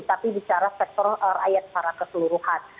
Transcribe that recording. tapi bicara sektor rakyat secara keseluruhan